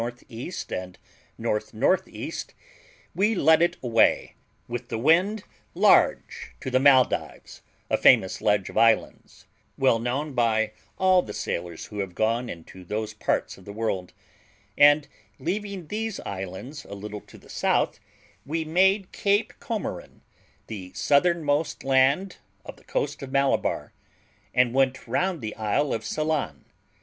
E. and N.N.E., we led it away, with the wind large, to the Maldives, a famous ledge of islands, well known by all the sailors who have gone into those parts of the world; and, leaving these islands a little to the south, we made Cape Comorin, the southernmost land of the coast of Malabar, and went round the isle of Ceylon.